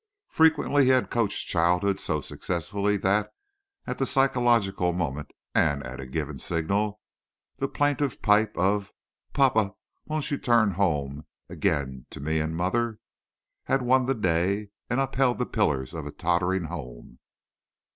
Frequently he had coached childhood so successfully that, at the psychological moment (and at a given signal) the plaintive pipe of "Papa, won't you tum home adain to me and muvver?" had won the day and upheld the pillars of a tottering home.